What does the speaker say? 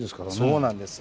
そうなんです。